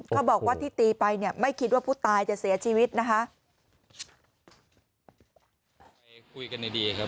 เขาบอกว่าที่ตีไปเนี่ยไม่คิดว่าผู้ตายจะเสียชีวิตนะคะ